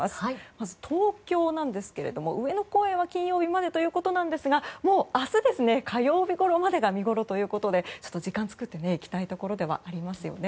まず東京ですが、上野公園は金曜日までということですが明日火曜日ごろまでが見ごろということでちょっと時間を作って行きたいところですね。